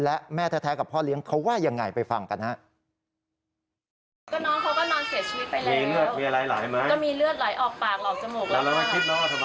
และแม่แท้กับพ่อเลี้ยงเขาว่ายังไงไปฟังกันฮะ